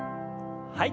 はい。